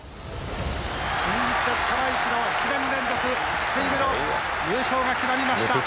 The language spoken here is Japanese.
新日鉄釜石の７年連続８回目の優勝が決まりました。